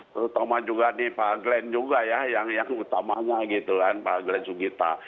terutama juga di pak glenn juga ya yang utamanya gitu kan pak glen sugita